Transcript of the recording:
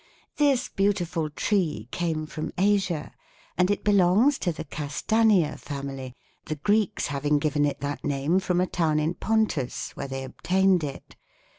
"This beautiful tree came from Asia, and it belongs to the Castanea family, the Greeks having given it that name from a town in Pontus where they obtained it.